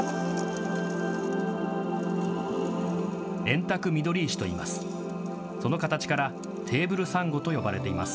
エンタクミドリイシといいます。